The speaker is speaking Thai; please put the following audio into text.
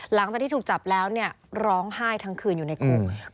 หลังจากที่ถูกจับแล้วเนี่ยร้องไห้ทั้งคืนอยู่ในคุก